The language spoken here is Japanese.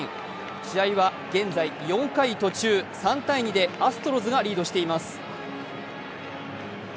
試合は現在４回途中、３−２でアストロズがリードしています。